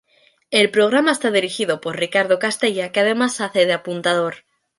El programa está dirigido por Ricardo Castella, que además hace de apuntador.